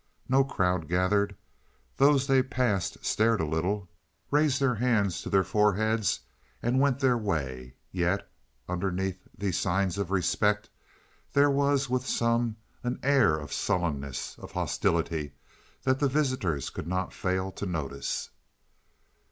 No crowd gathered; those they passed stared a little, raised their hands to their foreheads and went their way, yet underneath these signs of respect there was with some an air of sullenness, of hostility, that the visitors could not fail to notice.